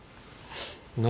何？